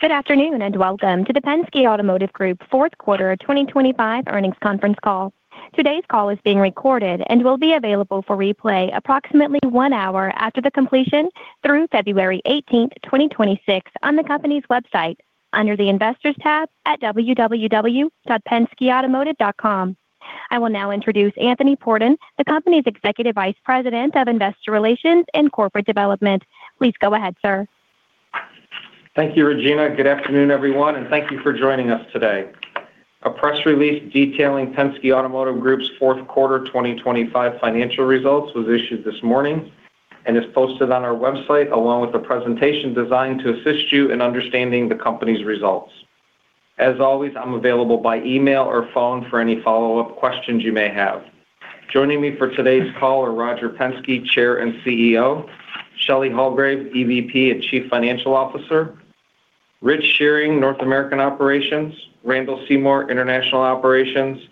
Good afternoon and welcome to the Penske Automotive Group fourth quarter of 2025 earnings conference call. Today's call is being recorded and will be available for replay approximately one hour after the completion through February eighteenth, 2026 on the company's website under the investors tab at www.penskeautomotive.com. I will now introduce Anthony Pordon the company's executive vice president of investor relations and corporate development. Please go ahead sir. Thank you, Regina. Good afternoon, everyone, and thank you for joining us today. A press release detailing Penske Automotive Group's fourth quarter 2025 financial results was issued this morning and is posted on our website along with a presentation designed to assist you in understanding the company's results. As always, I'm available by email or phone for any follow-up questions you may have. Joining me for today's call are Roger Penske, Chair and CEO, Shelley Hulgrave, EVP and Chief Financial Officer, Rich Shearing, North American Operations, Randall Seymore, International Operations,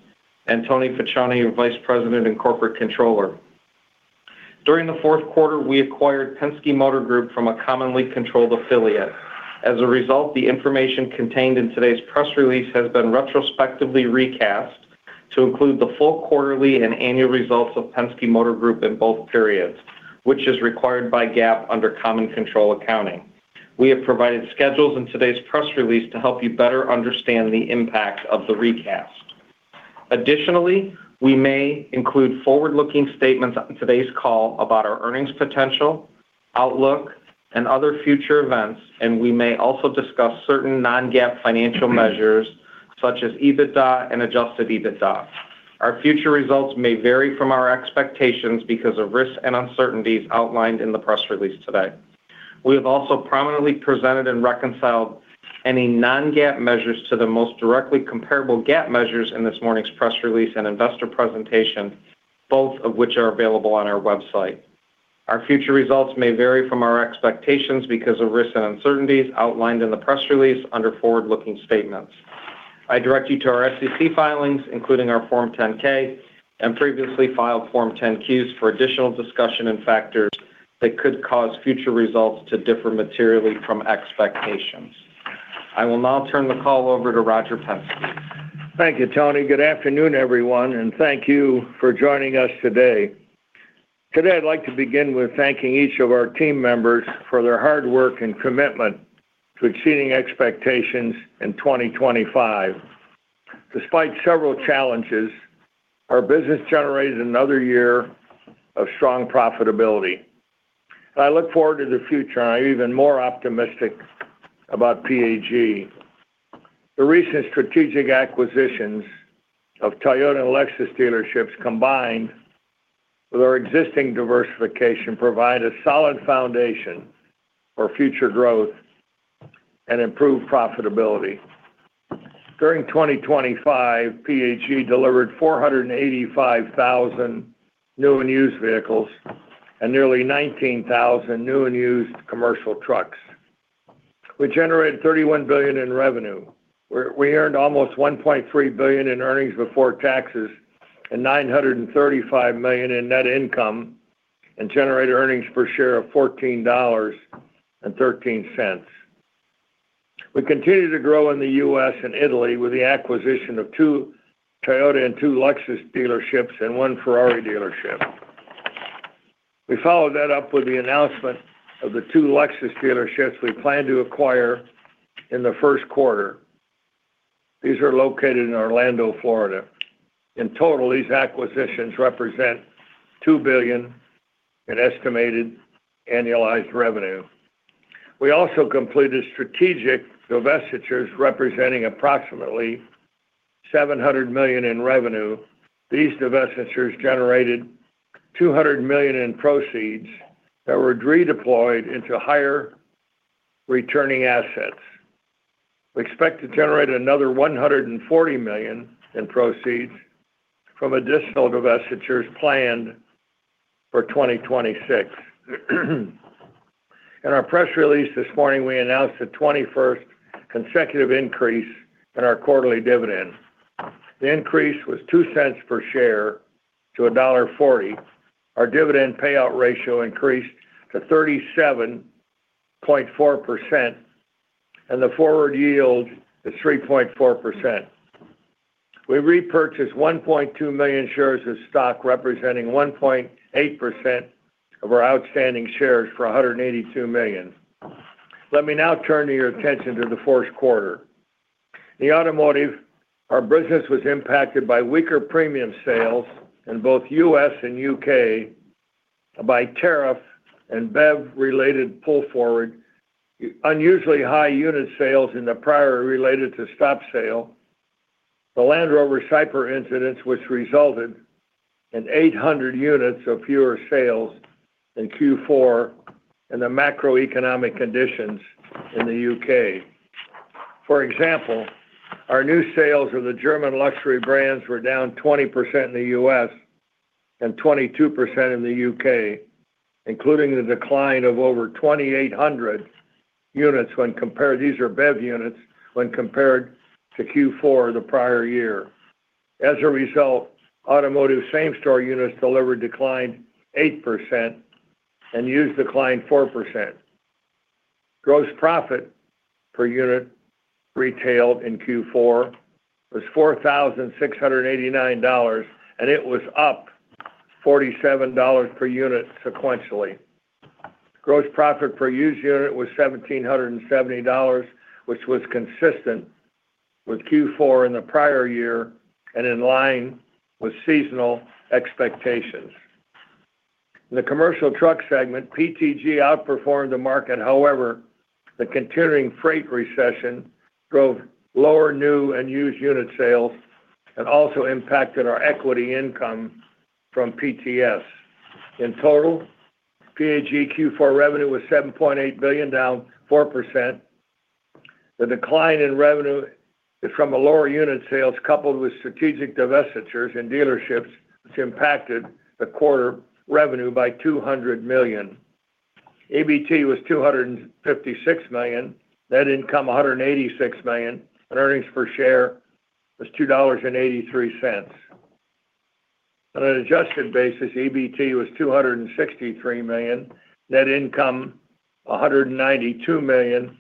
and Tony Faccione, your Vice President and Corporate Controller. During the fourth quarter, we acquired Penske Motor Group from a commonly controlled affiliate. As a result, the information contained in today's press release has been retrospectively recast to include the full quarterly and annual results of Penske Motor Group in both periods, which is required by GAAP under common control accounting. We have provided schedules in today's press release to help you better understand the impact of the recast. Additionally, we may include forward-looking statements on today's call about our earnings potential outlook and other future events, and we may also discuss certain non-GAAP financial measures such as EBITDA and adjusted EBITDA. Our future results may vary from our expectations because of risks and uncertainties outlined in the press release today. We have also prominently presented and reconciled any non-GAAP measures to the most directly comparable GAAP measures in this morning's press release and investor presentation, both of which are available on our website. Our future results may vary from our expectations because of risks and uncertainties outlined in the press release under forward-looking statements. I direct you to our SEC filings including our Form 10-K and previously filed Form 10-Qs for additional discussion and factors that could cause future results to differ materially from expectations. I will now turn the call over to Roger Penske. Thank you, Tony. Good afternoon, everyone, and thank you for joining us today. Today I'd like to begin with thanking each of our team members for their hard work and commitment to exceeding expectations in 2025. Despite several challenges, our business generated another year of strong profitability. I look forward to the future and I'm even more optimistic about PAG. The recent strategic acquisitions of Toyota and Lexus dealerships combined with our existing diversification provide a solid foundation for future growth and improved profitability. During 2025, PAG delivered 485,000 new and used vehicles and nearly 19,000 new and used commercial trucks. We generated $31 billion in revenue. We earned almost $1.3 billion in earnings before taxes and $935 million in net income and generated earnings per share of $14.13. We continue to grow in the U.S. and Italy with the acquisition of two Toyota and two Lexus dealerships and one Ferrari dealership. We followed that up with the announcement of the two Lexus dealerships we plan to acquire in the first quarter. These are located in Orlando, Florida. In total, these acquisitions represent $2 billion in estimated annualized revenue. We also completed strategic divestitures representing approximately $700 million in revenue. These divestitures generated $200 million in proceeds that were redeployed into higher returning assets. We expect to generate another $140 million in proceeds from additional divestitures planned for 2026. In our press release this morning we announced the 21st consecutive increase in our quarterly dividend. The increase was 2 cents per share to $1.40. Our dividend payout ratio increased to 37.4% and the forward yield is 3.4%. We repurchased 1.2 million shares of stock representing 1.8% of our outstanding shares for $182 million. Let me now turn your attention to the fourth quarter. In the automotive, our business was impacted by weaker premium sales in both U.S. and U.K. by tariff and BEV-related pull forward unusually high unit sales in the prior related to stop sale. The Land Rover cyber incidents which resulted in 800 units of fewer sales in Q4 and the macroeconomic conditions in the U.K. For example, our new sales of the German luxury brands were down 20% in the U.S. and 22% in the U.K. including the decline of over 2,800 units when compared these are BEV units when compared to Q4 the prior year. As a result automotive same-store units delivered declined 8% and used declined 4%. Gross profit per unit retailed in Q4 was $4,689 and it was up $47 per unit sequentially. Gross profit per used unit was $1,770 which was consistent with Q4 in the prior year and in line with seasonal expectations. In the commercial truck segment PTG outperformed the market however the continuing freight recession drove lower new and used unit sales and also impacted our equity income from PTS. In total PAG Q4 revenue was $7.8 billion down 4%. The decline in revenue from the lower unit sales, coupled with strategic divestitures in dealerships, which impacted the quarter revenue by $200 million. EBT was $256 million, net income $186 million, and earnings per share was $2.83. On an adjusted basis, EBT was $263 million, net income $192 million,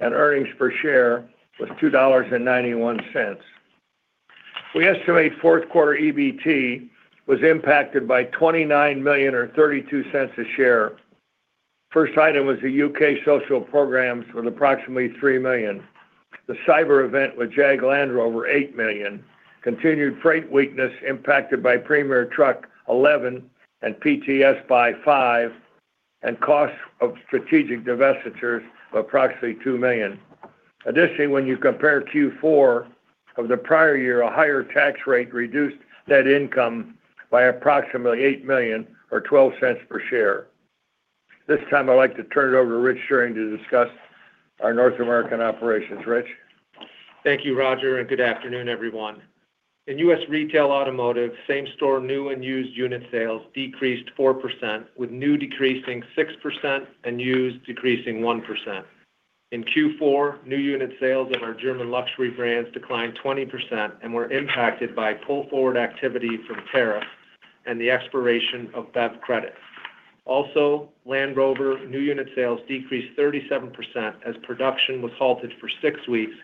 and earnings per share was $2.91. We estimate fourth quarter EBT was impacted by $29 million or $0.32 a share. First item was the U.K. social programs with approximately $3 million. The cyber event with Jaguar Land Rover, $8 million. Continued freight weakness impacted by Premier Truck Group $11 million and PTS by $5 million and cost of strategic divestitures of approximately $2 million. Additionally, when you compare Q4 of the prior year, a higher tax rate reduced net income by approximately $8 million or $0.12 per share. This time I'd like to turn it over to Rich Shearing to discuss our North American operations. Rich. Thank you Roger and good afternoon everyone. In U.S. retail automotive same-store new and used unit sales decreased 4% with new decreasing 6% and used decreasing 1%. In Q4 new unit sales of our German luxury brands declined 20% and were impacted by pull forward activity from tariffs and the expiration of BEV credit. Also Land Rover new unit sales decreased 37% as production was halted for six weeks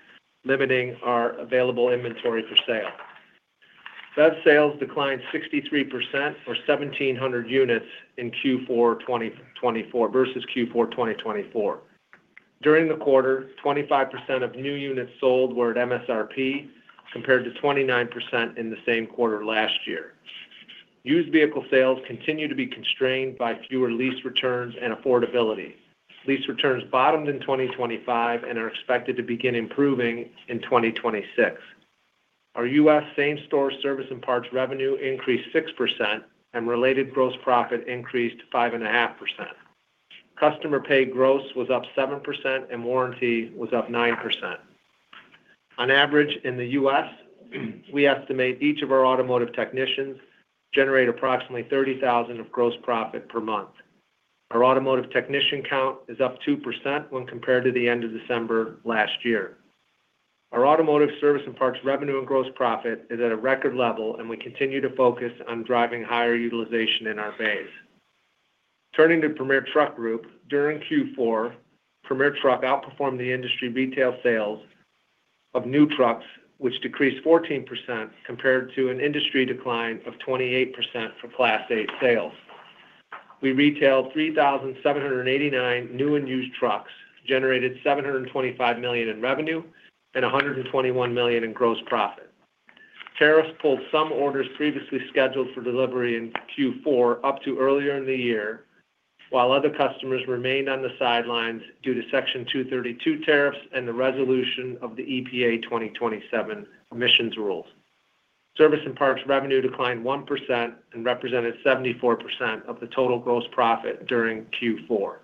limiting our available inventory for sale. BEV sales declined 63% or 1,700 units in Q4 2024 versus Q4 2024. During the quarter 25% of new units sold were at MSRP compared to 29% in the same quarter last year. Used vehicle sales continue to be constrained by fewer lease returns and affordability. Lease returns bottomed in 2025 and are expected to begin improving in 2026. Our U.S. Same-store service and parts revenue increased 6% and related gross profit increased 5.5%. Customer pay gross was up 7% and warranty was up 9%. On average in the U.S. we estimate each of our automotive technicians generate approximately $30,000 of gross profit per month. Our automotive technician count is up 2% when compared to the end of December last year. Our automotive service and parts revenue and gross profit is at a record level and we continue to focus on driving higher utilization in our bays. Turning to Premier Truck Group, during Q4 Premier Truck outperformed the industry retail sales of new trucks which decreased 14% compared to an industry decline of 28% for Class 8 sales. We retailed 3,789 new and used trucks, generated $725 million in revenue and $121 million in gross profit. Tariffs pulled some orders previously scheduled for delivery in Q4 up to earlier in the year while other customers remained on the sidelines due to Section 232 tariffs and the resolution of the EPA 2027 emissions rules. Service and parts revenue declined 1% and represented 74% of the total gross profit during Q4.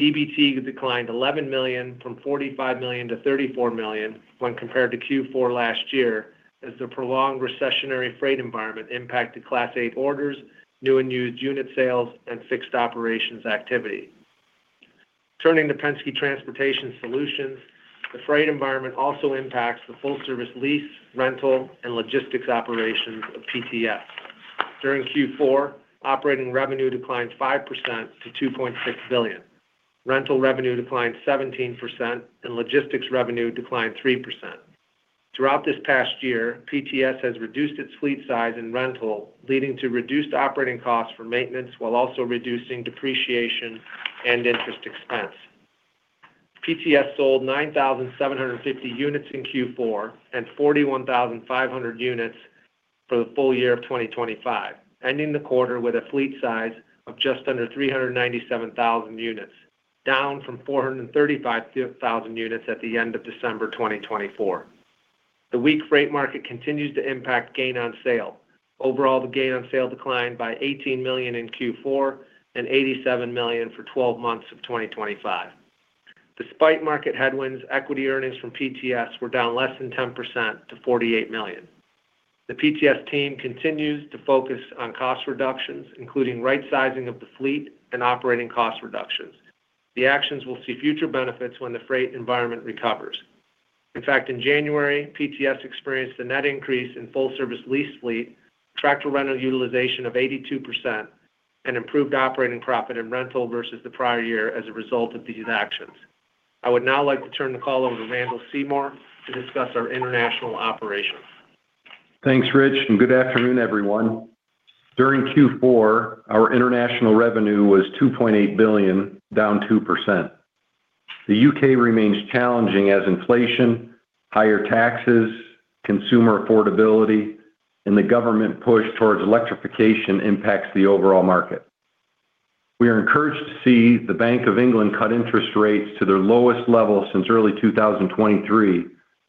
EBT declined $11 million from $45 million to $34 million when compared to Q4 last year as the prolonged recessionary freight environment impacted Class 8 orders, new and used unit sales, and fixed operations activity. Turning to Penske Transportation Solutions, the freight environment also impacts the full-service lease, rental, and logistics operations of PTS. During Q4, operating revenue declined 5% to $2.6 billion. Rental revenue declined 17% and logistics revenue declined 3%. Throughout this past year, PTS has reduced its fleet size in rental, leading to reduced operating costs for maintenance while also reducing depreciation and interest expense. PTS sold 9,750 units in Q4 and 41,500 units for the full year of 2025, ending the quarter with a fleet size of just under 397,000 units down from 435,000 units at the end of December 2024. The weak freight market continues to impact gain on sale. Overall, the gain on sale declined by $18 million in Q4 and $87 million for 12 months of 2025. Despite market headwinds, equity earnings from PTS were down less than 10% to $48 million. The PTS team continues to focus on cost reductions including right-sizing of the fleet and operating cost reductions. The actions will see future benefits when the freight environment recovers. In fact, in January PTS experienced a net increase in full-service lease fleet, tractor rental utilization of 82%, and improved operating profit in rental versus the prior year as a result of these actions. I would now like to turn the call over to Randall Seymore to discuss our international operations. Thanks, Rich, and good afternoon, everyone. During Q4, our international revenue was $2.8 billion, down 2%. The U.K. remains challenging as inflation, higher taxes, consumer affordability, and the government push towards electrification impacts the overall market. We are encouraged to see the Bank of England cut interest rates to their lowest level since early 2023,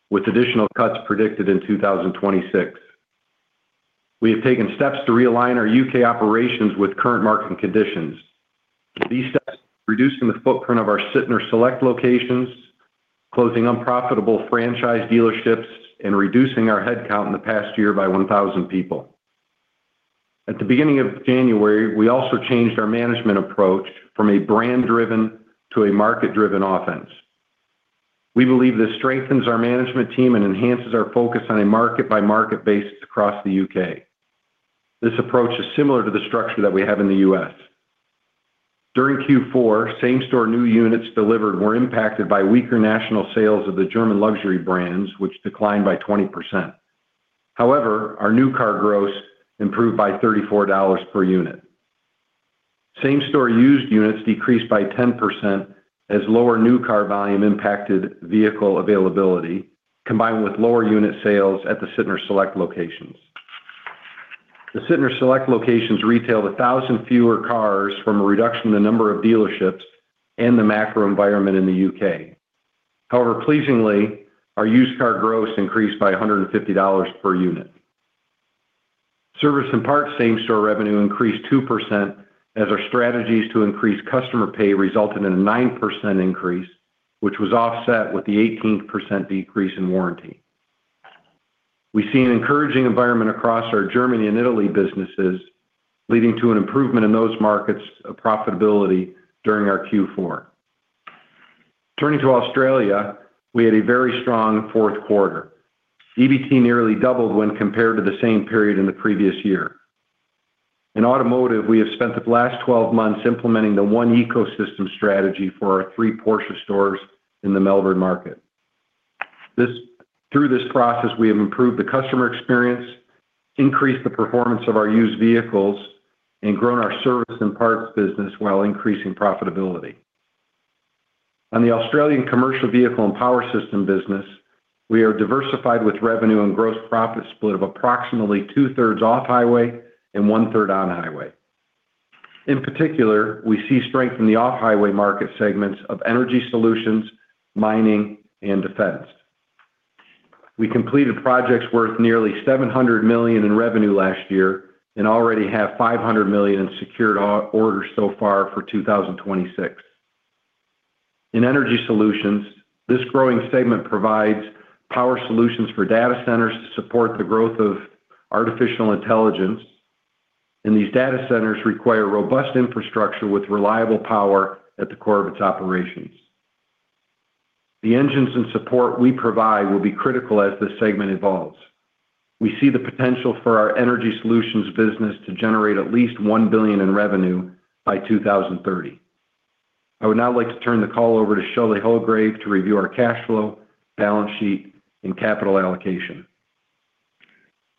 with additional cuts predicted in 2026. We have taken steps to realign our U.K. operations with current market conditions. These steps are reducing the footprint of our Sytner Select locations, closing unprofitable franchise dealerships, and reducing our headcount in the past year by 1,000 people. At the beginning of January, we also changed our management approach from a brand-driven to a market-driven offense. We believe this strengthens our management team and enhances our focus on a market-by-market basis across the U.K. This approach is similar to the structure that we have in the U.S. During Q4 same-store new units delivered were impacted by weaker national sales of the German luxury brands which declined by 20%. However our new car gross improved by $34 per unit. Same-store used units decreased by 10% as lower new car volume impacted vehicle availability combined with lower unit sales at the Sytner Select locations. The Sytner Select locations retailed 1,000 fewer cars from a reduction in the number of dealerships and the macro environment in the U.K. However pleasingly our used car gross increased by $150 per unit. Service and parts same-store revenue increased 2% as our strategies to increase customer pay resulted in a 9% increase which was offset with the 18% decrease in warranty. We see an encouraging environment across our Germany and Italy businesses, leading to an improvement in those markets of profitability during our Q4. Turning to Australia, we had a very strong fourth quarter. EBT nearly doubled when compared to the same period in the previous year. In automotive, we have spent the last 12 months implementing the One Ecosystem strategy for our 3 Porsche stores in the Melbourne market. Through this process, we have improved the customer experience, increased the performance of our used vehicles, and grown our service and parts business while increasing profitability. On the Australian commercial vehicle and power system business, we are diversified with revenue and gross profit split of approximately 2/3 off-highway and 1/3 on-highway. In particular, we see strength in the off-highway market segments of Energy Solutions, mining, and defense. We completed projects worth nearly $700 million in revenue last year and already have $500 million in secured orders so far for 2026. In Energy Solutions this growing segment provides power solutions for data centers to support the growth of artificial intelligence and these data centers require robust infrastructure with reliable power at the core of its operations. The engines and support we provide will be critical as this segment evolves. We see the potential for our Energy Solutions business to generate at least $1 billion in revenue by 2030. I would now like to turn the call over to Shelley Hulgrave to review our cash flow, balance sheet, and capital allocation.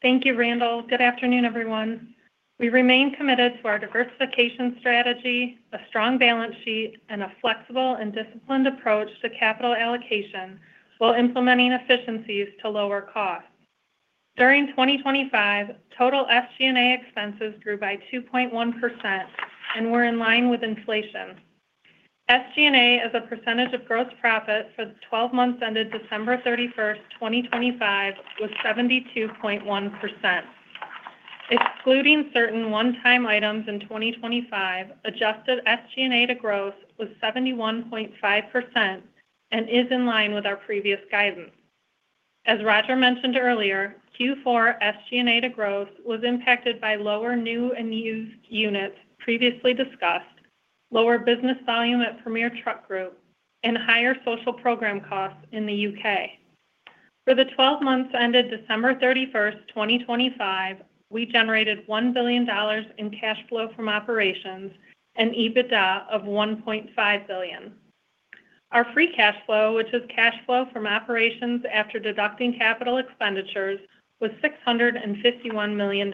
Thank you Randall. Good afternoon everyone. We remain committed to our diversification strategy, a strong balance sheet, and a flexible and disciplined approach to capital allocation while implementing efficiencies to lower costs. During 2025 total SG&A expenses grew by 2.1% and were in line with inflation. SG&A as a percentage of gross profit for the twelve months ended December 31, 2025 was 72.1%. Excluding certain one-time items in 2025 adjusted SG&A to gross was 71.5% and is in line with our previous guidance. As Roger mentioned earlier, Q4 SG&A to gross was impacted by lower new and used units previously discussed, lower business volume at Premier Truck Group, and higher social program costs in the U.K. For the 12 months ended December 31, 2025, we generated $1 billion in cash flow from operations and EBITDA of $1.5 billion. Our free cash flow, which is cash flow from operations after deducting capital expenditures, was $651 million.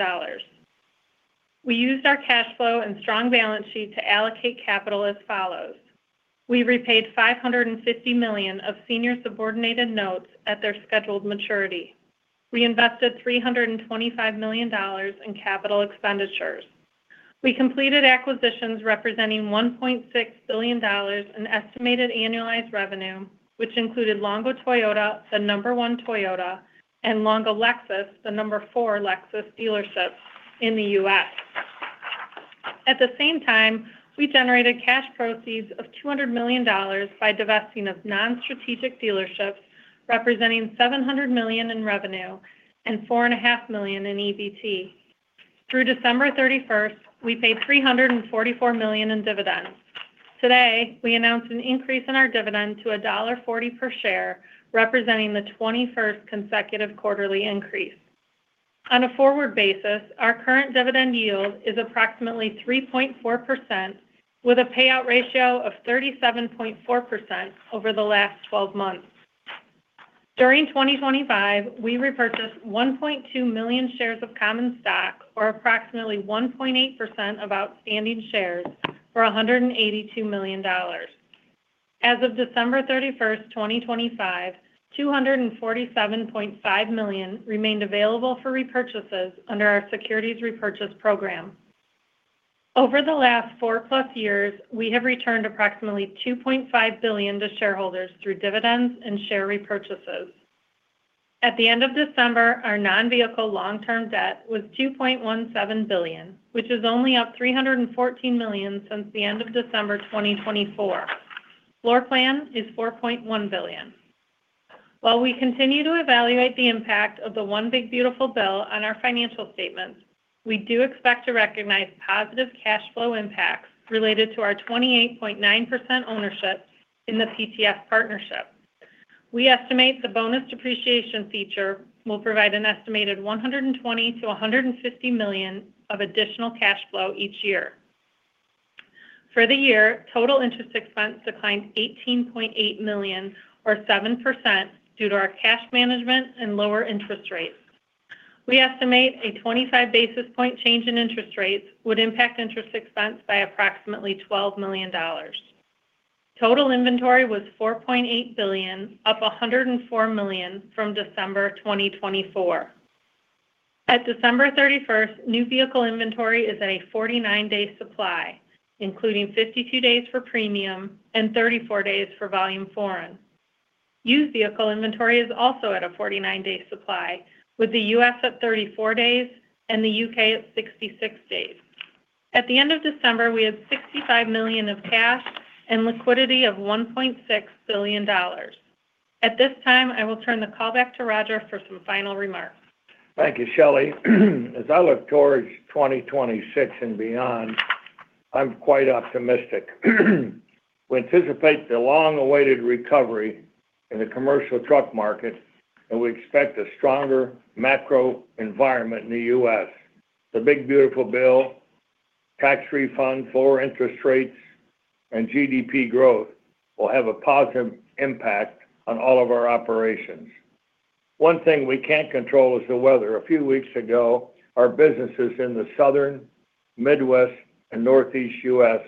We used our cash flow and strong balance sheet to allocate capital as follows. We repaid $550 million of senior subordinated notes at their scheduled maturity. We invested $325 million in capital expenditures. We completed acquisitions representing $1.6 billion in estimated annualized revenue, which included Longo Toyota, the number one Toyota, and Longo Lexus, the number four Lexus dealerships in the U.S. At the same time we generated cash proceeds of $200 million by divesting of non-strategic dealerships representing $700 million in revenue and $4.5 million in EBT. Through December 31 we paid $344 million in dividends. Today we announced an increase in our dividend to $1.40 per share representing the twenty-first consecutive quarterly increase. On a forward basis our current dividend yield is approximately 3.4% with a payout ratio of 37.4% over the last twelve months. During 2025 we repurchased 1.2 million shares of common stock or approximately 1.8% of outstanding shares for $182 million. As of December 31, 2025 $247.5 million remained available for repurchases under our securities repurchase program. Over the last 4+ years we have returned approximately $2.5 billion to shareholders through dividends and share repurchases. At the end of December our non-vehicle long-term debt was $2.17 billion which is only up $314 million since the end of December 2024. Floor plan is $4.1 billion. While we continue to evaluate the impact of the One Big Beautiful Bill on our financial statements we do expect to recognize positive cash flow impacts related to our 28.9% ownership in the PTS partnership. We estimate the bonus depreciation feature will provide an estimated $120 million-$150 million of additional cash flow each year. For the year total interest expense declined $18.8 million or 7% due to our cash management and lower interest rates. We estimate a 25 basis point change in interest rates would impact interest expense by approximately $12 million. Total inventory was $4.8 billion up $104 million from December 2024. At December 31 new vehicle inventory is at a 49-day supply including 52 days for premium and 34 days for volume foreign. Used vehicle inventory is also at a 49-day supply with the U.S. at 34 days and the U.K. at 66 days. At the end of December we had $65 million of cash and liquidity of $1.6 billion. At this time I will turn the call back to Roger for some final remarks. Thank you, Shelley. As I look towards 2026 and beyond, I'm quite optimistic. We anticipate the long-awaited recovery in the commercial truck market, and we expect a stronger macro environment in the U.S. The Big Beautiful Bill, tax reform for interest rates, and GDP growth will have a positive impact on all of our operations. One thing we can't control is the weather. A few weeks ago, our businesses in the Southern, Midwest, and Northeast U.S.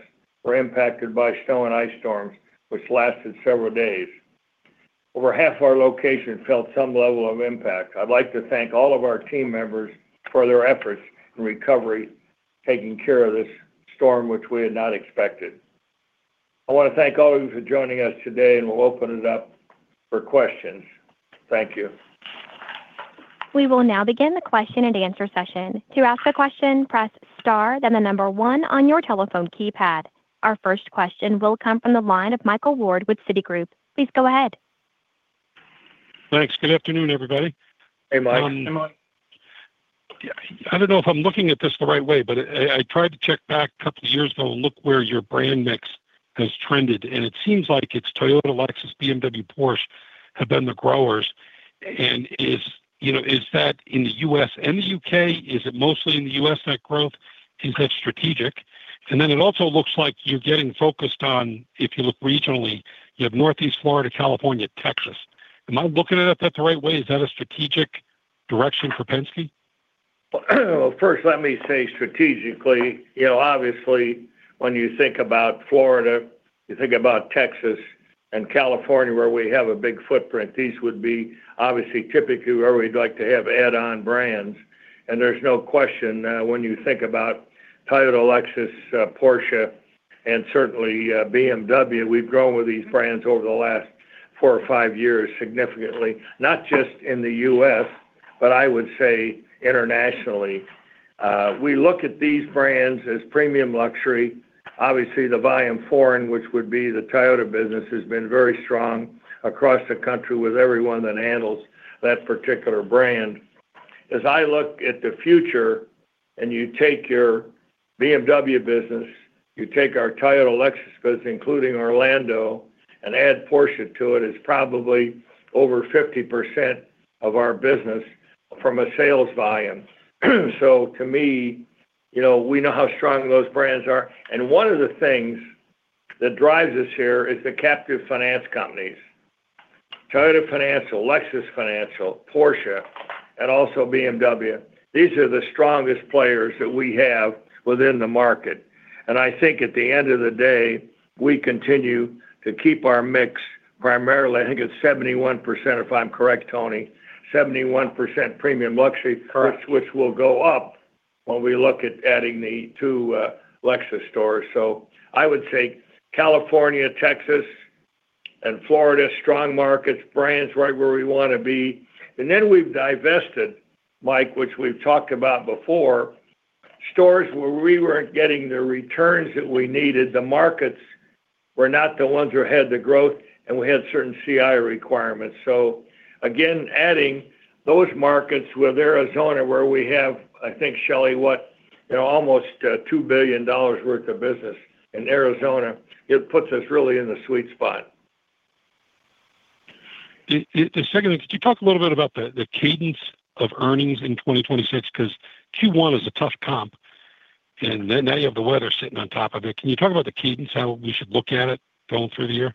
were impacted by snow and ice storms which lasted several days. Over half our locations felt some level of impact. I'd like to thank all of our team members for their efforts in recovery taking care of this storm which we had not expected. I want to thank all of you for joining us today, and we'll open it up for questions. Thank you. We will now begin the question and answer session. To ask a question press star then the number one on your telephone keypad. Our first question will come from the line of Michael Ward with Citigroup. Please go ahead. Thanks. Good afternoon everybody. Hey Mike. I don't know if I'm looking at this the right way, but I tried to check back a couple of years ago and look where your brand mix has trended, and it seems like it's Toyota, Lexus, BMW, Porsche have been the growers, and is that in the U.S. and the U.K.? Is it mostly in the U.S. that growth? Is that strategic? And then it also looks like you're getting focused on if you look regionally you have northeast Florida, California, Texas. Am I looking at that the right way? Is that a strategic direction for Penske? Well, first let me say strategically obviously when you think about Florida you think about Texas and California where we have a big footprint these would be obviously typically where we'd like to have add-on brands and there's no question when you think about Toyota, Lexus, Porsche, and certainly BMW we've grown with these brands over the last 4 or 5 years significantly not just in the U.S. but I would say internationally. We look at these brands as premium luxury. Obviously the volume foreign which would be the Toyota business has been very strong across the country with everyone that handles that particular brand. As I look at the future and you take your BMW business, you take our Toyota, Lexus business including Orlando and add Porsche to it is probably over 50% of our business from a sales volume. So to me we know how strong those brands are and one of the things that drives us here is the captive finance companies: Toyota Financial, Lexus Financial, Porsche, and also BMW. These are the strongest players that we have within the market and I think at the end of the day we continue to keep our mix primarily. I think it's 71% if I'm correct, Tony, 71% premium luxury which will go up when we look at adding the two Lexus stores. So I would say California, Texas, and Florida strong markets brands right where we want to be. And then we've divested, Mike, which we've talked about before. Stores where we weren't getting the returns that we needed the markets were not the ones that had the growth and we had certain CI requirements. So, again, adding those markets with Arizona, where we have—I think, Shelley—what almost $2 billion worth of business in Arizona, it puts us really in the sweet spot. The second thing could you talk a little bit about the cadence of earnings in 2026 because Q1 is a tough comp and now you have the weather sitting on top of it. Can you talk about the cadence how we should look at it going through the year?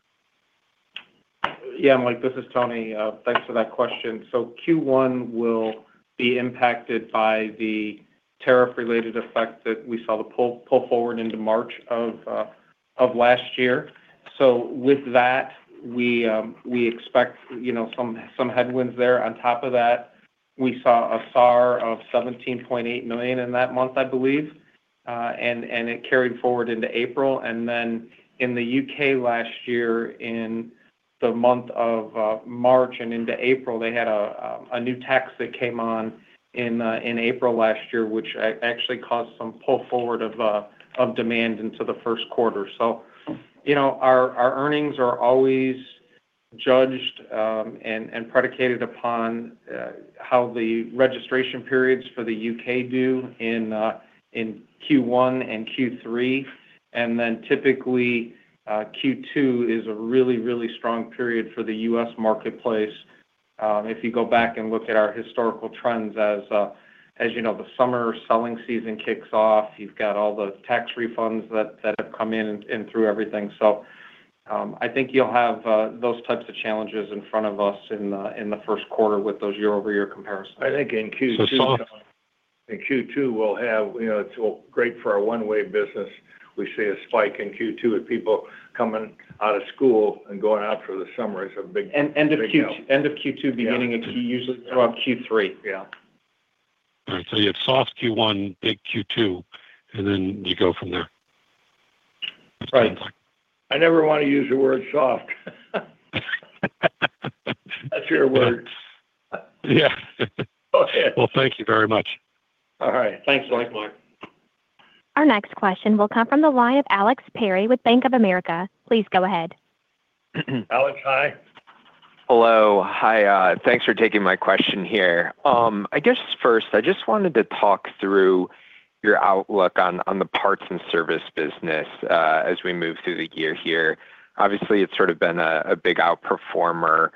Yeah Mike this is Tony. Thanks for that question. So Q1 will be impacted by the tariff-related effect that we saw the pull forward into March of last year. So with that we expect some headwinds there. On top of that we saw a SAR of 17.8 million in that month I believe and it carried forward into April. And then in the U.K. last year in the month of March and into April they had a new tax that came on in April last year which actually caused some pull forward of demand into the first quarter. So our earnings are always judged and predicated upon how the registration periods for the U.K. do in Q1 and Q3 and then typically Q2 is a really really strong period for the U.S. marketplace. If you go back and look at our historical trends, as you know, the summer selling season kicks off. You've got all the tax refunds that have come in and through everything. So I think you'll have those types of challenges in front of us in the first quarter with those year-over-year comparisons. I think in Q2 we'll have. It's great for our one way business. We see a spike in Q2 with people coming out of school and going out for the summer. It's a big thing. End of Q2, beginning of Q, usually throughout Q3. All right, so you have soft Q1, big Q2, and then you go from there. Right. I never want to use the word soft. That's your word. Yeah. Well thank you very much. All right. Thanks, Mike. Our next question will come from the line of Alex Perry with Bank of America. Please go ahead. Alex hi. Hello, hi, thanks for taking my question here. I guess first I just wanted to talk through your outlook on the parts and service business as we move through the year here. Obviously it's sort of been a big outperformer.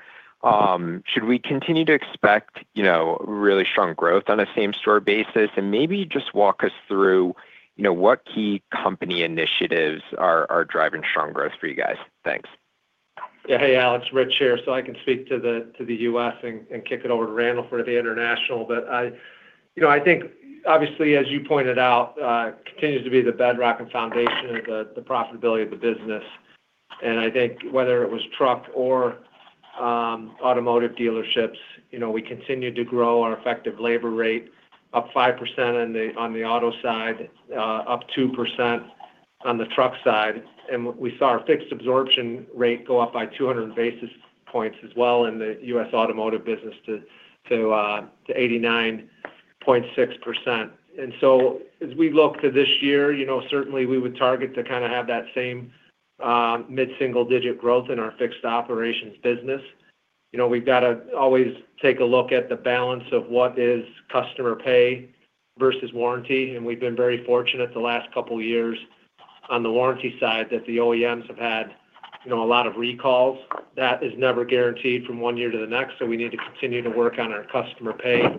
Should we continue to expect really strong growth on a same store basis, and maybe just walk us through what key company initiatives are driving strong growth for you guys? Thanks. Yeah, hey Alex, Rich here, so I can speak to the U.S. and kick it over to Randall for the international, but I think obviously as you pointed out continues to be the bedrock and foundation of the profitability of the business, and I think whether it was truck or automotive dealerships we continue to grow our effective labor rate up 5% on the auto side up 2% on the truck side, and we saw our fixed absorption rate go up by 200 basis points as well in the U.S. automotive business to 89.6%. And so as we look to this year certainly we would target to kind of have that same mid-single digit growth in our fixed operations business. We've got to always take a look at the balance of what is customer pay versus warranty, and we've been very fortunate the last couple of years on the warranty side that the OEMs have had a lot of recalls. That is never guaranteed from one year to the next, so we need to continue to work on our customer pay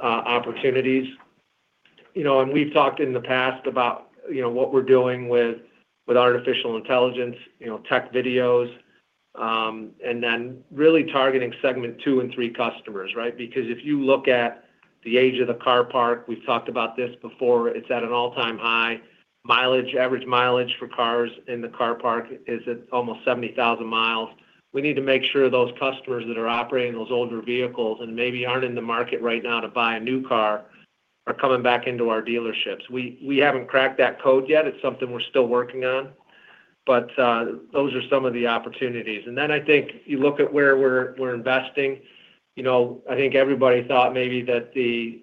opportunities. We've talked in the past about what we're doing with artificial intelligence, tech videos, and then really targeting segment two and three customers, right? Because if you look at the age of the car park—we've talked about this before—it's at an all-time high. Mileage average mileage for cars in the car park is almost 70,000 miles. We need to make sure those customers that are operating those older vehicles and maybe aren't in the market right now to buy a new car are coming back into our dealerships. We haven't cracked that code yet. It's something we're still working on but those are some of the opportunities. And then I think you look at where we're investing. I think everybody thought maybe that the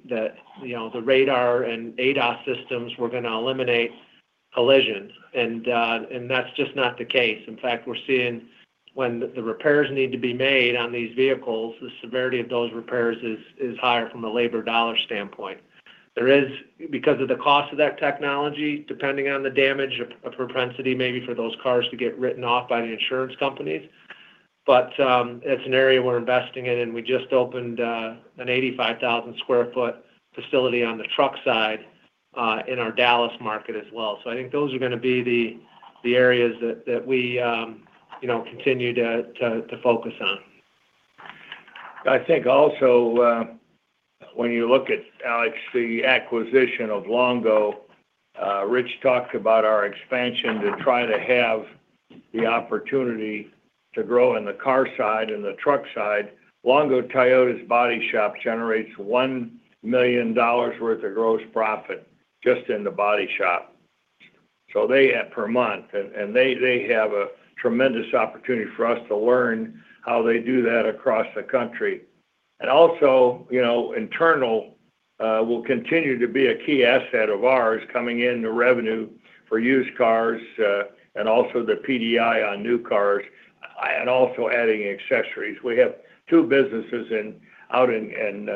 radar and ADAS systems were going to eliminate collisions and that's just not the case. In fact we're seeing when the repairs need to be made on these vehicles the severity of those repairs is higher from a labor dollar standpoint. There is, because of the cost of that technology, depending on the damage, a propensity, maybe, for those cars to get written off by the insurance companies, but it's an area we're investing in, and we just opened an 85,000 sq ft facility on the truck side in our Dallas market as well. So I think those are going to be the areas that we continue to focus on. I think also when you look at Alex, the acquisition of Longo—Rich talked about our expansion to try to have the opportunity to grow in the car side and the truck side. Longo Toyota's body shop generates $1 million worth of gross profit just in the body shop. So, $1 million per month and they have a tremendous opportunity for us to learn how they do that across the country. And also internal will continue to be a key asset of ours coming in the revenue for used cars and also the PDI on new cars and also adding accessories. We have 2 businesses out in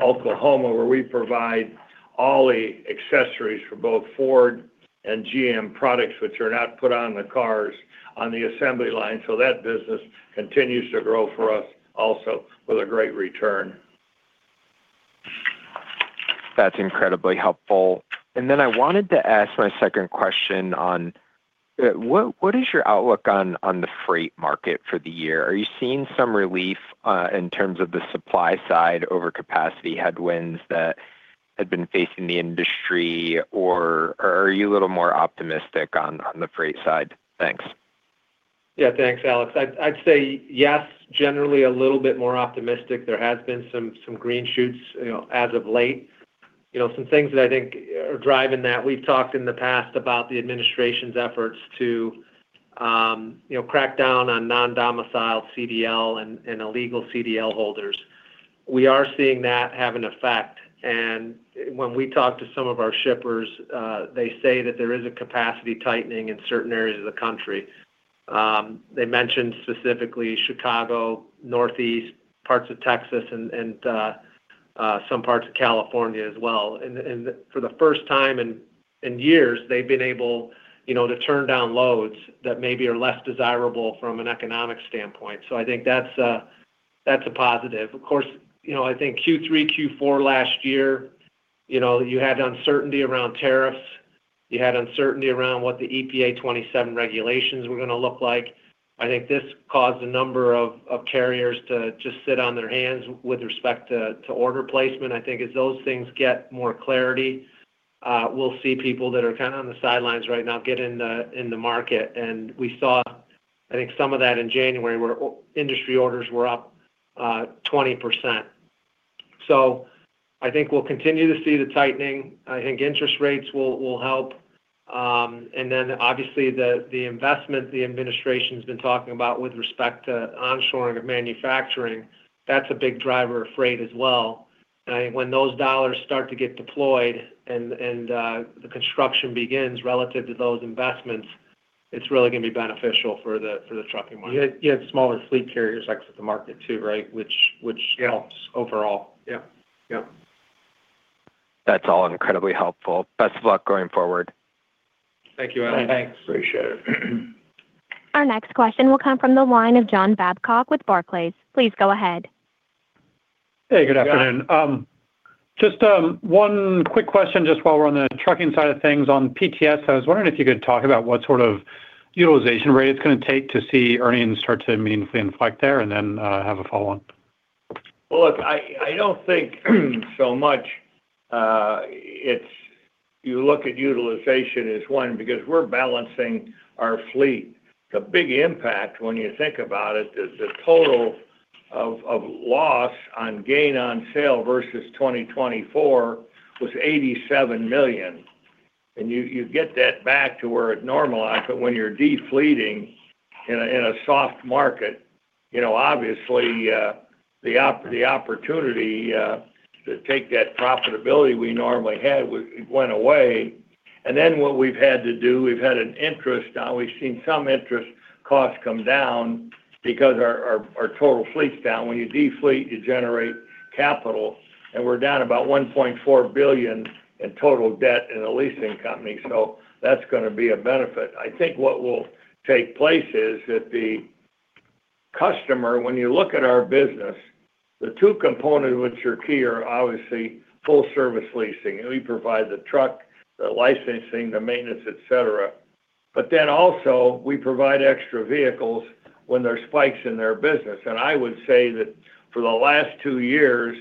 Oklahoma where we provide OE accessories for both Ford and GM products which are not put on the cars on the assembly line so that business continues to grow for us also with a great return. That's incredibly helpful. Then I wanted to ask my second question on what is your outlook on the freight market for the year? Are you seeing some relief in terms of the supply side over capacity headwinds that had been facing the industry or are you a little more optimistic on the freight side? Thanks. Yeah, thanks Alex. I'd say yes, generally a little bit more optimistic. There has been some green shoots as of late. Some things that I think are driving that we've talked in the past about the administration's efforts to crack down on non-domiciled CDL and illegal CDL holders. We are seeing that have an effect and when we talk to some of our shippers they say that there is a capacity tightening in certain areas of the country. They mentioned specifically Chicago, northeast, parts of Texas, and some parts of California as well. And for the first time in years they've been able to turn down loads that maybe are less desirable from an economic standpoint. So I think that's a positive. Of course I think Q3, Q4 last year you had uncertainty around tariffs. You had uncertainty around what the EPA 2027 regulations were going to look like. I think this caused a number of carriers to just sit on their hands with respect to order placement. I think as those things get more clarity we'll see people that are kind of on the sidelines right now get in the market and we saw I think some of that in January where industry orders were up 20%. So I think we'll continue to see the tightening. I think interest rates will help and then obviously the investment the administration's been talking about with respect to onshoring of manufacturing that's a big driver of freight as well. And I think when those dollars start to get deployed and the construction begins relative to those investments it's really going to be beneficial for the trucking market. You have smaller fleet carriers exit the market too right which helps overall. Yep yep. That's all incredibly helpful. Best of luck going forward. Thank you Alex. Thanks. Appreciate it. Our next question will come from the line of John Babcock with Barclays. Please go ahead. Hey, good afternoon. Just one quick question, just while we're on the trucking side of things on PTS. I was wondering if you could talk about what sort of utilization rate it's going to take to see earnings start to meaningfully inflect there and then have a follow-on. Well, look, I don't think so much. You look at utilization is one because we're balancing our fleet. The big impact, when you think about it, the total loss on gain on sale versus 2024 was $87 million, and you get that back to where it normalized, but when you're defleeting in a soft market, obviously the opportunity to take that profitability we normally had went away. And then what we've had to do, we've had an interest, now we've seen some interest cost come down because our total fleet's down. When you defleet, you generate capital, and we're down about $1.4 billion in total debt in the leasing company, so that's going to be a benefit. I think what will take place is that the customer, when you look at our business, the two components which are key are obviously full service leasing. We provide the truck, the licensing, the maintenance, et cetera. But then also we provide extra vehicles when there's spikes in their business. And I would say that for the last two years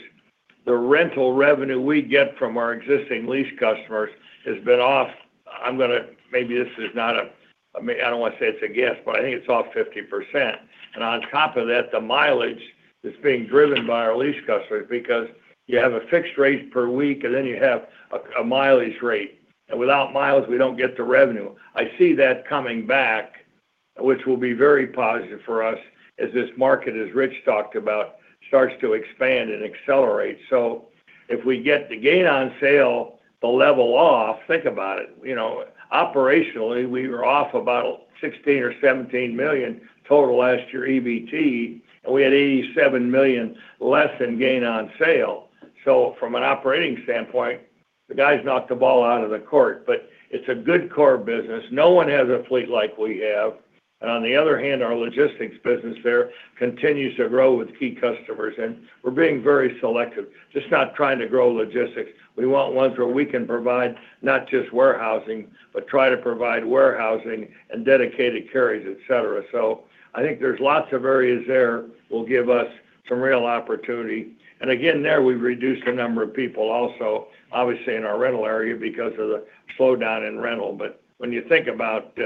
the rental revenue we get from our existing lease customers has been off. I'm going to maybe this is not a—I don't want to say it's a guess but I think it's off 50%. And on top of that the mileage is being driven by our lease customers because you have a fixed rate per week and then you have a mileage rate. And without miles we don't get the revenue. I see that coming back, which will be very positive for us as this market as Rich talked about starts to expand and accelerate. So if we get the gain on sale the level off think about it. Operationally, we were off about $16 million-$17 million total last year EBT, and we had $87 million less in gain on sale. So from an operating standpoint, the guys knocked the ball out of the court, but it's a good core business. No one has a fleet like we have. And on the other hand, our logistics business there continues to grow with key customers, and we're being very selective. Just not trying to grow logistics. We want ones where we can provide not just warehousing but try to provide warehousing and dedicated carriers, et cetera. So I think there's lots of areas there will give us some real opportunity. And again there, we've reduced the number of people also obviously in our rental area because of the slowdown in rental. When you think about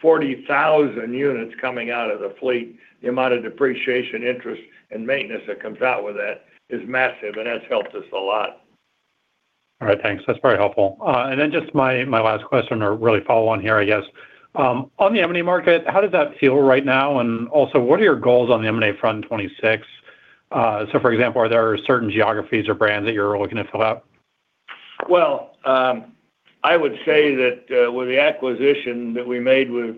40,000 units coming out of the fleet, the amount of depreciation, interest, and maintenance that comes out with that is massive, and that's helped us a lot. All right, thanks. That's very helpful. And then just my last question or really follow on here I guess. On the M&A market, how does that feel right now, and also what are your goals on the M&A front 2026? So for example, are there certain geographies or brands that you're looking to fill up? Well, I would say that with the acquisition that we made with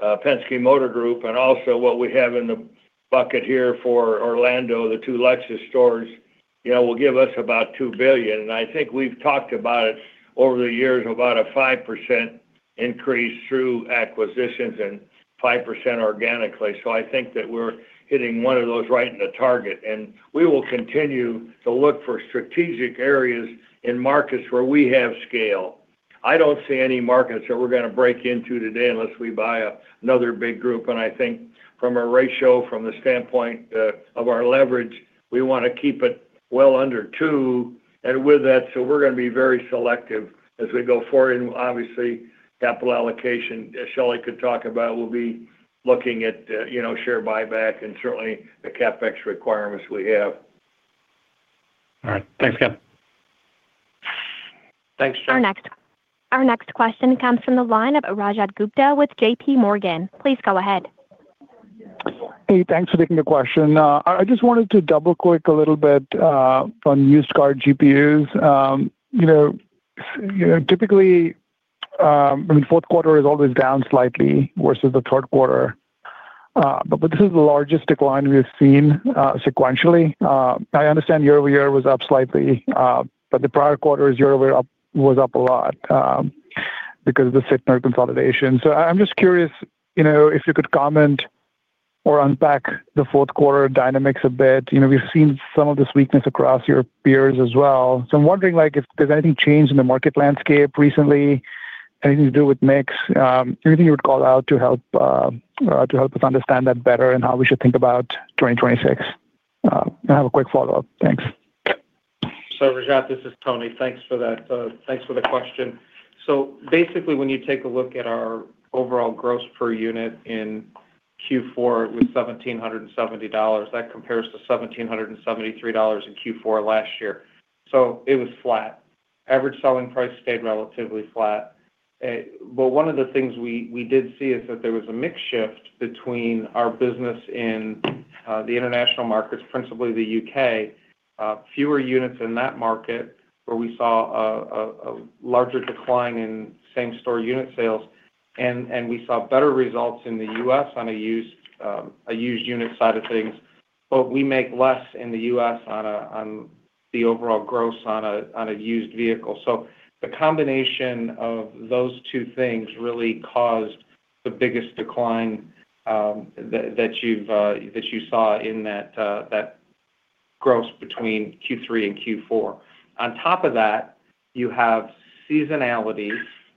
Penske Motor Group and also what we have in the bucket here for Orlando, the two Lexus stores will give us about $2 billion. I think we've talked about it over the years about a 5% increase through acquisitions and 5% organically. So I think that we're hitting one of those right in the target, and we will continue to look for strategic areas in markets where we have scale. I don't see any markets that we're going to break into today unless we buy another big group. I think from a ratio from the standpoint of our leverage, we want to keep it well under 2, and with that, so we're going to be very selective as we go forward. Obviously capital allocation as Shelley could talk about will be looking at share buyback and certainly the CapEx requirements we have. All right. Thanks Ken. Thanks John. Our next question comes from the line of Rajat Gupta with JP Morgan. Please go ahead. Hey, thanks for taking the question. I just wanted to double click a little bit on used car GPUs. Typically, I mean, fourth quarter is always down slightly versus the third quarter, but this is the largest decline we've seen sequentially. I understand year-over-year was up slightly, but the prior quarters year-over-year was up a lot because of the Sytner consolidation. So I'm just curious if you could comment or unpack the fourth quarter dynamics a bit. We've seen some of this weakness across your peers as well. So I'm wondering if there's anything changed in the market landscape recently, anything to do with mix. Anything you would call out to help us understand that better and how we should think about 2026. I have a quick follow up. Thanks. So, Rajat, this is Tony. Thanks for that. Thanks for the question. So basically when you take a look at our overall gross per unit in Q4 it was $1,770. That compares to $1,773 in Q4 last year. So it was flat. Average selling price stayed relatively flat. But one of the things we did see is that there was a mix shift between our business in the international markets principally the U.K. Fewer units in that market where we saw a larger decline in same store unit sales and we saw better results in the U.S. on a used unit side of things. But we make less in the U.S. on the overall gross on a used vehicle. So the combination of those two things really caused the biggest decline that you saw in that gross between Q3 and Q4. On top of that you have seasonality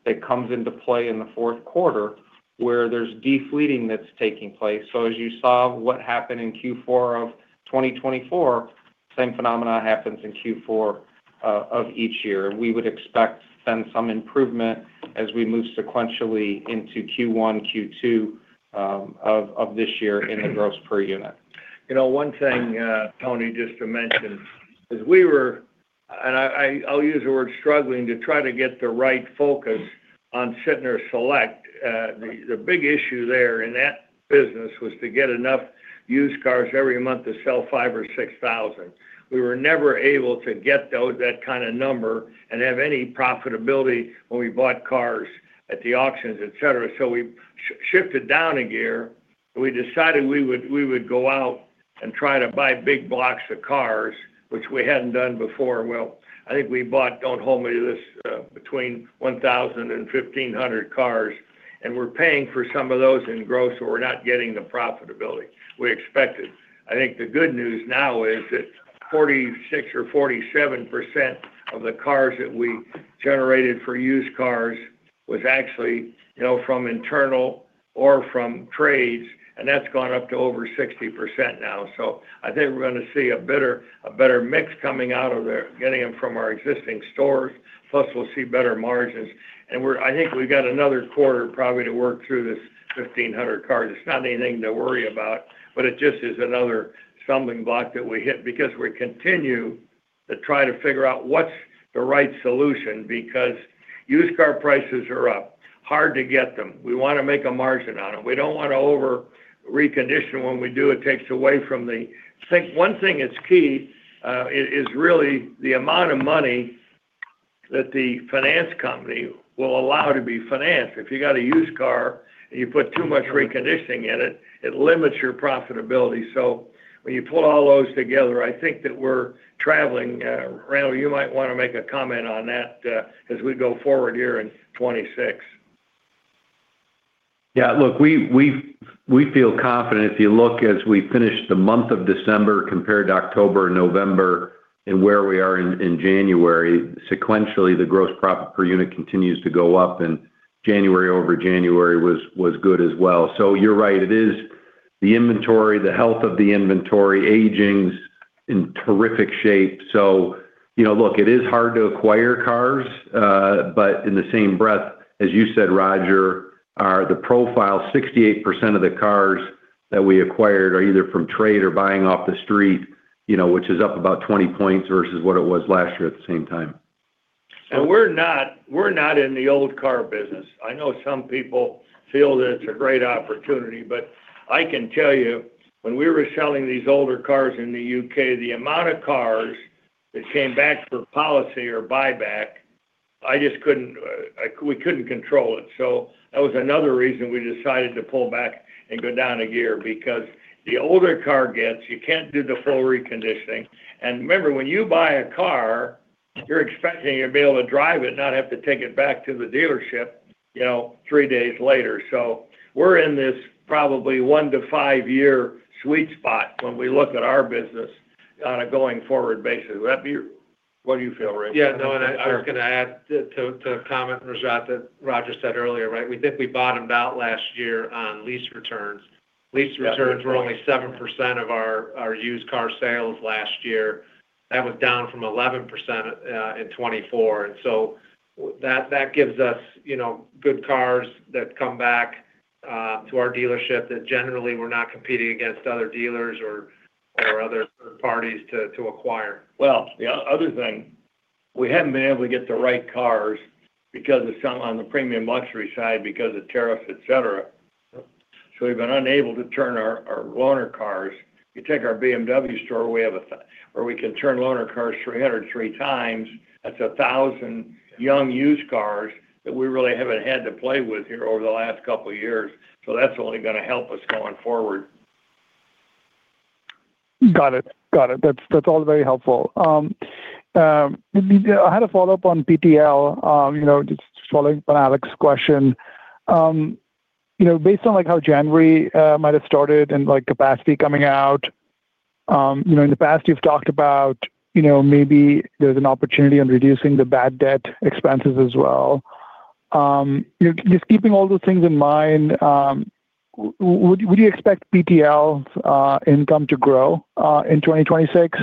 that comes into play in the fourth quarter where there's defleeting that's taking place. So as you saw what happened in Q4 of 2024 same phenomena happens in Q4 of each year. We would expect then some improvement as we move sequentially into Q1 Q2 of this year in the gross per unit. One thing Tony just to mention is we were and I'll use the word struggling to try to get the right focus on Sytner Select. The big issue there in that business was to get enough used cars every month to sell 5,000-6,000. We were never able to get that kind of number and have any profitability when we bought cars at the auctions et cetera. So we shifted down a gear. We decided we would go out and try to buy big blocks of cars which we hadn't done before. Well I think we bought don't hold me to this between 1,000 and 1,500 cars and we're paying for some of those in gross where we're not getting the profitability we expected. I think the good news now is that 46% or 47% of the cars that we generated for used cars was actually from internal or from trades and that's gone up to over 60% now. So I think we're going to see a better mix coming out of there getting them from our existing stores plus we'll see better margins. I think we've got another quarter probably to work through this 1,500 cars. It's not anything to worry about but it just is another stumbling block that we hit because we continue to try to figure out what's the right solution because used car prices are up. Hard to get them. We want to make a margin on it. We don't want to over-recondition. When we do, it takes away from the thing. One thing that's key is really the amount of money that the finance company will allow to be financed. If you got a used car and you put too much reconditioning in it, it limits your profitability. So when you pull all those together, I think that we're traveling, Randall. You might want to make a comment on that as we go forward here in 2026. Yeah, look, we feel confident. If you look as we finish the month of December compared to October and November and where we are in January, sequentially the gross profit per unit continues to go up, and January over January was good as well. So you're right, it is the inventory, the health of the inventory aging's in terrific shape. So look, it is hard to acquire cars, but in the same breath, as you said, Roger, the profile 68% of the cars that we acquired are either from trade or buying off the street, which is up about 20 points versus what it was last year at the same time. And we're not in the old car business. I know some people feel that it's a great opportunity, but I can tell you when we were selling these older cars in the UK, the amount of cars that came back for policy or buyback, we just couldn't control it. So that was another reason we decided to pull back and go down a gear because the older car gets you can't do the full reconditioning. And remember when you buy a car you're expecting to be able to drive it not have to take it back to the dealership three days later. So we're in this probably one- to five-year sweet spot when we look at our business on a going forward basis. Would that be what you feel, Rajat? Yeah, no, and I was going to add to a comment Rajat that Roger said earlier, right? We think we bottomed out last year on lease returns. Lease returns were only 7% of our used car sales last year. That was down from 11% in 2024. And so that gives us good cars that come back to our dealership that generally we're not competing against other dealers or other third parties to acquire. Well, the other thing we haven't been able to get the right cars because of some on the premium luxury side because of tariffs, et cetera. So we've been unable to turn our loaner cars. You take our BMW store we have a where we can turn loaner cars 3 to 4 times. That's 1,000 young used cars that we really haven't had to play with here over the last couple of years. So that's only going to help us going forward. Got it. Got it. That's all very helpful. I had a follow up on PTL just following up on Alex's question. Based on how January might have started and capacity coming out in the past you've talked about maybe there's an opportunity on reducing the bad debt expenses as well. Just keeping all those things in mind would you expect PTL's income to grow in 2026?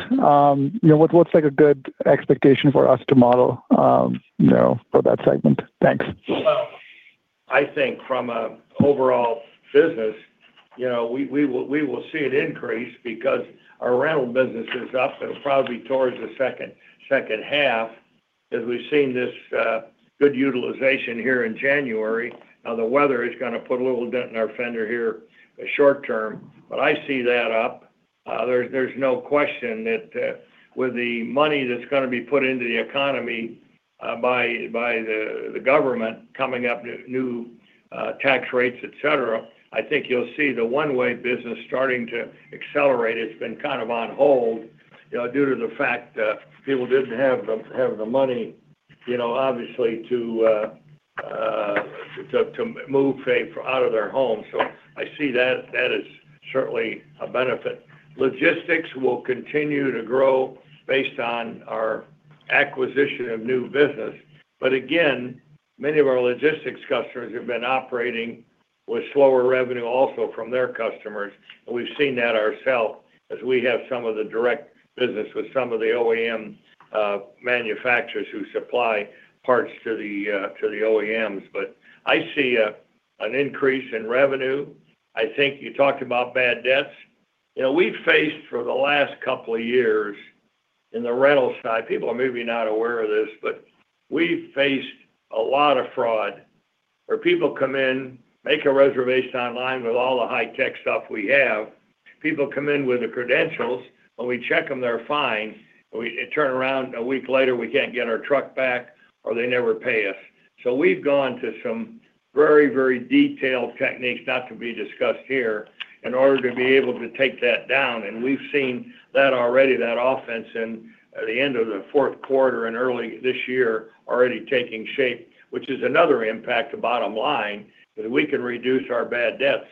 What's a good expectation for us to model for that segment? Thanks. Well, I think from an overall business we will see an increase because our rental business is up and it'll probably be towards the second half as we've seen this good utilization here in January. Now the weather is going to put a little dent in our fender here short-term but I see that up. There's no question that with the money that's going to be put into the economy by the government coming up new tax rates et cetera I think you'll see the one-way business starting to accelerate has been kind of on hold due to the fact that people didn't have the money obviously to move furniture out of their homes. So I see that that is certainly a benefit. Logistics will continue to grow based on our acquisition of new business. But again, many of our logistics customers have been operating with slower revenue also from their customers, and we've seen that ourselves as we have some of the direct business with some of the OEM manufacturers who supply parts to the OEMs. But I see an increase in revenue. I think you talked about bad debts. We've faced, for the last couple of years, in the rental side. People are maybe not aware of this, but we've faced a lot of fraud where people come in, make a reservation online with all the high tech stuff we have. People come in with the credentials. When we check them, they're fine, and we turn around a week later. We can't get our truck back or they never pay us. We've gone to some very very detailed techniques not to be discussed here in order to be able to take that down. We've seen that already that offense in the end of the fourth quarter and early this year already taking shape which is another impact to bottom line that we can reduce our bad debts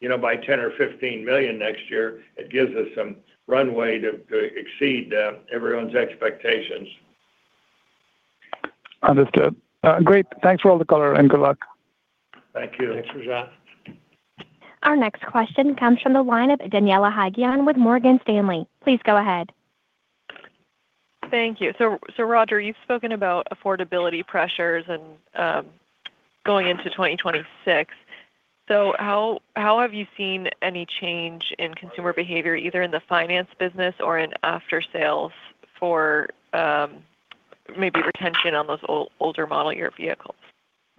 by $10 million or $15 million next year. It gives us some runway to exceed everyone's expectations. Understood. Great. Thanks for all the color and good luck. Thank you. Thanks Rajat. Our next question comes from the line of Daniela Haigian with Morgan Stanley. Please go ahead. Thank you. So Roger, you've spoken about affordability pressures and going into 2026. So how have you seen any change in consumer behavior either in the finance business or in after sales for maybe retention on those older model year vehicles?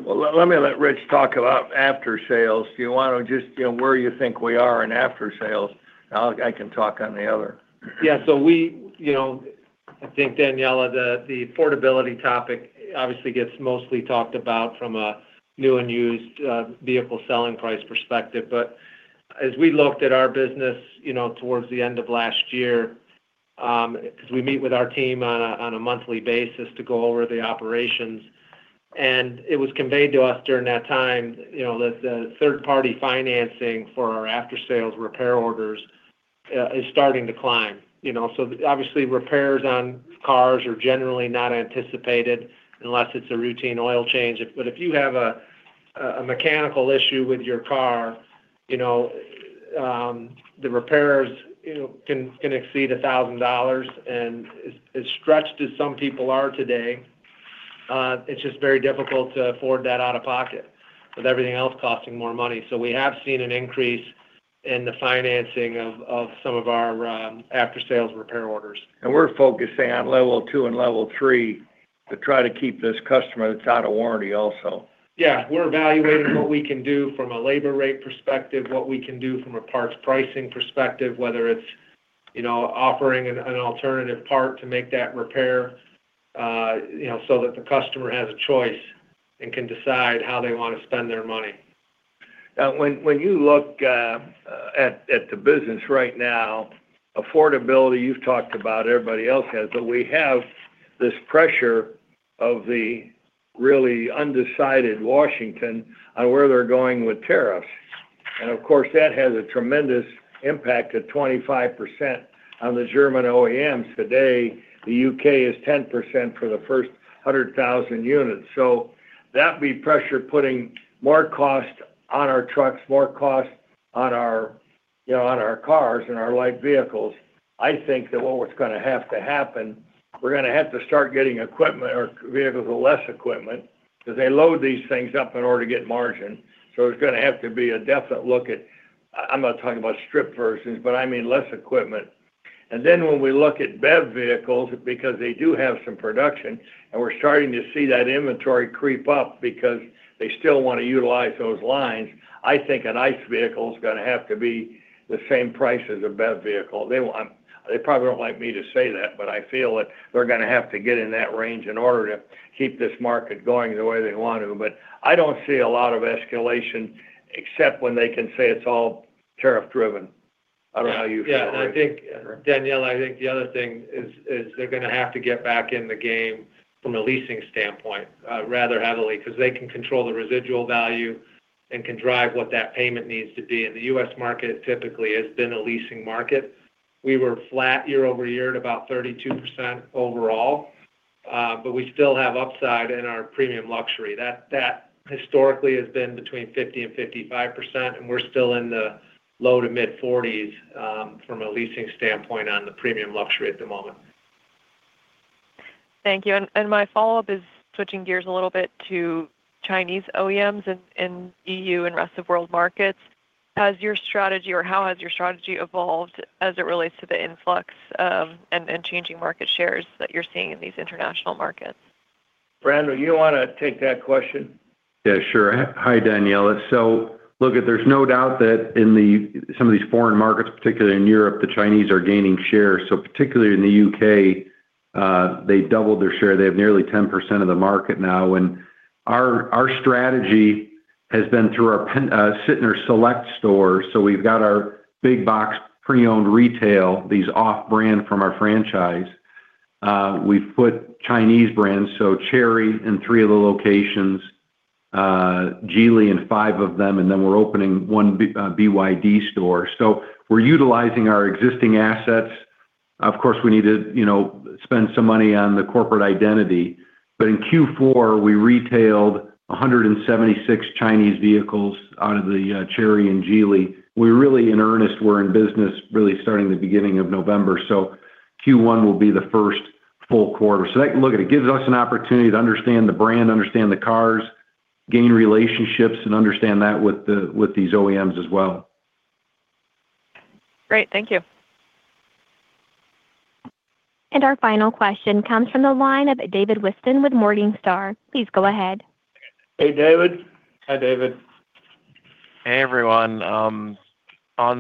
Well, let me let Rich talk about after sales. Do you want to just where you think we are in after sales? I can talk on the other. Yeah, so we—I think, Daniela—the affordability topic obviously gets mostly talked about from a new and used vehicle selling price perspective. But as we looked at our business towards the end of last year because we meet with our team on a monthly basis to go over the operations and it was conveyed to us during that time that third-party financing for our after-sales repair orders is starting to climb. So obviously repairs on cars are generally not anticipated unless it's a routine oil change. But if you have a mechanical issue with your car the repairs can exceed $1,000 and as stretched as some people are today it's just very difficult to afford that out of pocket with everything else costing more money. So we have seen an increase in the financing of some of our after-sales repair orders. We're focusing on level two and level three to try to keep this customer that's out of warranty also. Yeah, we're evaluating what we can do from a labor rate perspective, what we can do from a parts pricing perspective, whether it's offering an alternative part to make that repair so that the customer has a choice and can decide how they want to spend their money. Now when you look at the business right now affordability you've talked about everybody else has but we have this pressure of the really undecided Washington on where they're going with tariffs. And of course that has a tremendous impact of 25% on the German OEMs. Today the UK is 10% for the first 100,000 units. So that'd be pressure putting more cost on our trucks more cost on our cars and our light vehicles. I think that what's going to have to happen we're going to have to start getting equipment or vehicles with less equipment because they load these things up in order to get margin. So there's going to have to be a definite look at I'm not talking about strip versions but I mean less equipment. Then when we look at BEV vehicles because they do have some production and we're starting to see that inventory creep up because they still want to utilize those lines I think an ICE vehicle is going to have to be the same price as a BEV vehicle. They probably don't like me to say that but I feel that they're going to have to get in that range in order to keep this market going the way they want to. But I don't see a lot of escalation except when they can say it's all tariff driven. I don't know how you feel. Yeah, and I think Daniela, I think the other thing is they're going to have to get back in the game from a leasing standpoint rather heavily because they can control the residual value and can drive what that payment needs to be. And the U.S. market typically has been a leasing market. We were flat year-over-year at about 32% overall, but we still have upside in our premium luxury. That historically has been between 50% and 55%, and we're still in the low-to-mid 40s from a leasing standpoint on the premium luxury at the moment. Thank you. My follow up is switching gears a little bit to Chinese OEMs in the EU and rest of world markets. Has your strategy or how has your strategy evolved as it relates to the influx and changing market shares that you're seeing in these international markets? Randall, you want to take that question? Yeah, sure. Hi, Daniela. So look, there's no doubt that in some of these foreign markets, particularly in Europe, the Chinese are gaining share. So particularly in the UK, they doubled their share. They have nearly 10% of the market now. And our strategy has been through our Sytner Select store. So we've got our big box pre-owned retail, these off-brand from our franchise. We've put Chinese brands, so Chery in three of the locations, Geely in five of them, and then we're opening one BYD store. So we're utilizing our existing assets. Of course, we need to spend some money on the corporate identity, but in Q4 we retailed 176 Chinese vehicles out of the Chery and Geely. We really in earnest were in business really starting the beginning of November. So Q1 will be the first full quarter. So, look, it gives us an opportunity to understand the brand, understand the cars, gain relationships, and understand that with these OEMs as well. Great. Thank you. Our final question comes from the line of David Whiston with Morningstar. Please go ahead. Hey David. Hi David. Hey everyone. On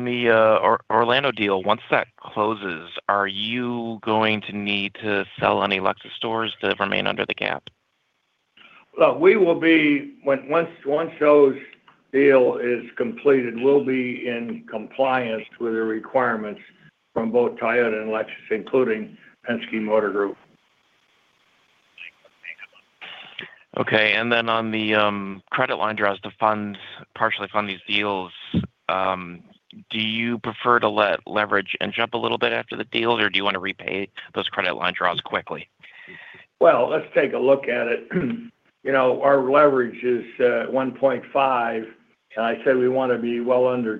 the Orlando deal once that closes are you going to need to sell any Lexus stores to remain under the cap? Well, we will be once the deal is completed. We'll be in compliance with the requirements from both Toyota and Lexus, including Penske Motor Group. Okay. And then on the credit line draws to partially fund these deals do you prefer to let leverage jump a little bit after the deals or do you want to repay those credit line draws quickly? Well, let's take a look at it. Our leverage is 1.5, and I said we want to be well under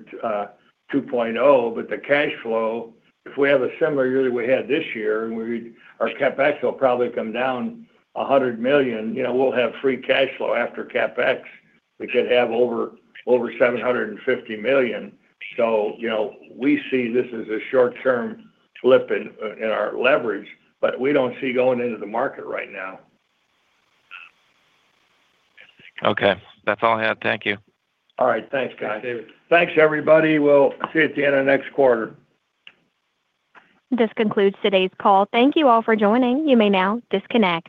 2.0, but the cash flow, if we have a similar year that we had this year and our CapEx will probably come down $100 million, we'll have free cash flow after CapEx. We could have over $750 million. So we see this as a short-term flip in our leverage, but we don't see going into the market right now. Okay. That's all I had. Thank you. All right. Thanks guys. Thanks everybody. We'll see you at the end of next quarter. This concludes today's call. Thank you all for joining. You may now disconnect.